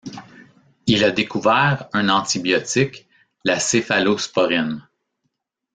Il a découvert un antibiotique, la céphalosporine.